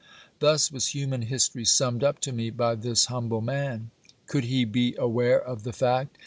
Thus was human history summed up to me by this humble man. Could he be aware of the fact